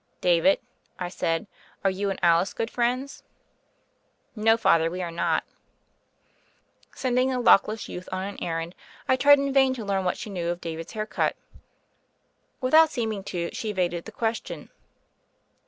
"David," I said, "are you and Alice good friends?" "No, Father, we are not." Sending the lockless youth on an errand, I tried in vain to learn what she knew of David's THE FAIRY OF THE SNOWS 133 hair cut. Without seeming to, she evaded the question.